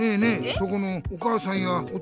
そこのお母さんやお父さん。